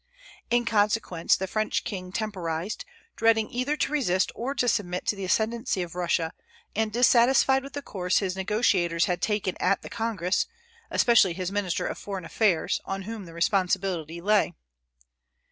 In consequence, the French king temporized, dreading either to resist or to submit to the ascendency of Russia, and dissatisfied with the course his negotiators had taken at the Congress, especially his minister of foreign affairs, on whom the responsibility lay.